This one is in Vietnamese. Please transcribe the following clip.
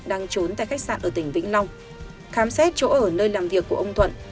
đang trốn tại khách sạn ở tỉnh vĩnh long khám xét chỗ ở nơi làm việc của ông thuận